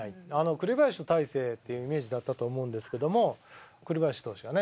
栗林と大勢っていうイメージだったと思うんですけども栗林投手がね